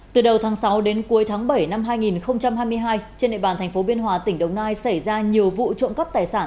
từ đầu tháng sáu đến cuối tháng bảy năm hai nghìn hai mươi hai trên địa bàn thành phố biên hòa tỉnh đồng nai xảy ra nhiều vụ trộm cắp tài sản